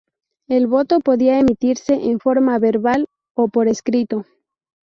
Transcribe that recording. El voto podía emitirse en forma verbal o por escrito.